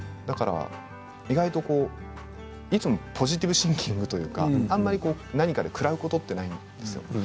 意外といつもポジティブシンキングというか何かで食らうこともあまりないんですよ。